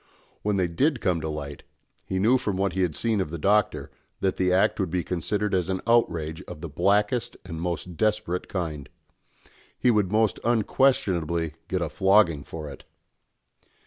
When they did come to light, he knew from what he had seen of the Doctor, that the act would be considered as an outrage of the blackest and most desperate kind. He would most unquestionably get a flogging for it!